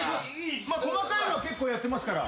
細かいのは結構やってますから。